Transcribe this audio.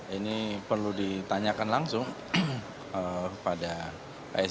ini perlu ditanyakan langsung pada pks